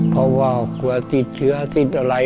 เพราะว่ากลัวติดเชื้อติดอะไร